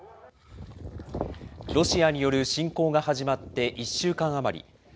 ロシアによる侵攻が始まって１週間余り。